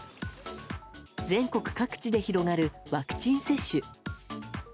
全国各地で広がるワクチン接種。